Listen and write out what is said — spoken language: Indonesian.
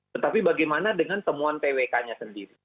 tetapi bagaimana dengan temuan twk nya sendiri